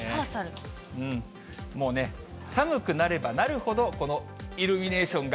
もう、寒くなればなるほど、このイルミネーションが。